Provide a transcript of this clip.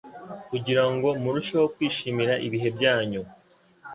kugirango murusheho kwishimira ibihe byanyu